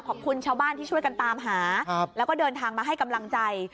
ขอบคุณชาวบ้านที่ช่วยกันตามหาแล้วก็เดินทางมาให้กำลังใจ